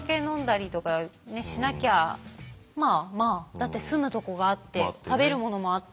だって住むとこがあって食べるものもあったら。